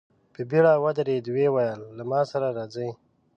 په بېړه ودرېد، ويې ويل: له ما سره راځئ!